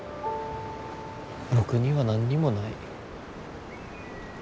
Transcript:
僕には何にもない。